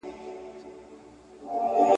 یزید به لکه خلی د زمان بادونه یوسي ,